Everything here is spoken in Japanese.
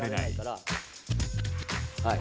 はい。